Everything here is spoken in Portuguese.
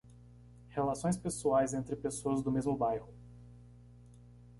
Relações pessoais entre pessoas do mesmo bairro.